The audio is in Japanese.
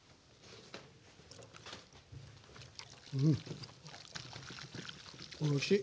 うんおいしい！